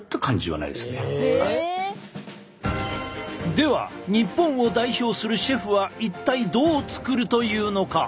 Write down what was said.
では日本を代表するシェフは一体どう作るというのか？